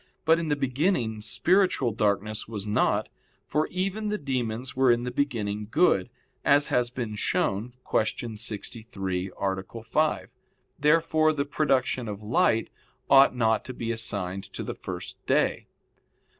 But in the beginning spiritual darkness was not, for even the demons were in the beginning good, as has been shown (Q. 63, A. 5). Therefore the production of light ought not to be assigned to the first day.